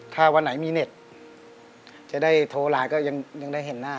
ถ้าวันไหนมีเน็ตจะได้โทรไลน์ก็ยังได้เห็นหน้า